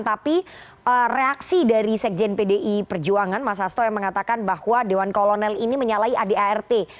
tapi reaksi dari sekjen pdi perjuangan mas asto yang mengatakan bahwa dewan kolonel ini menyalahi adart